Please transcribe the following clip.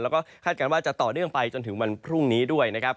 แล้วก็คาดการณ์ว่าจะต่อเนื่องไปจนถึงวันพรุ่งนี้ด้วยนะครับ